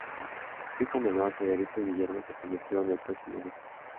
Su hijo menor, Federico Guillermo se convirtió en el próximo duque.